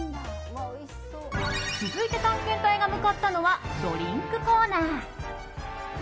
続いて、探検隊が向かったのはドリンクコーナー。